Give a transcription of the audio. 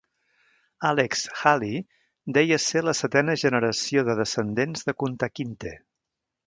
Alex Haley deia ser la setena generació de descendents de Kunta Kinte.